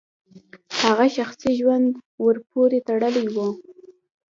هغه شخصي ژوند ورپورې تړلی و.